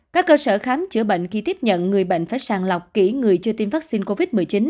các cơ sở khám chữa bệnh khi tiếp nhận người bệnh phải sàng lọc kỹ người chưa tiêm vaccine covid một mươi chín